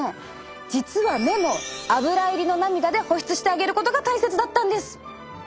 実は目もアブラ入りの涙で保湿してあげることが大切だったんです。